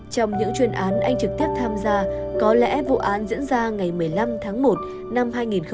trong những chuyên án anh trực tiếp tham gia có lẽ vụ án diễn ra ngày một mươi năm tháng một năm hai nghìn một mươi chín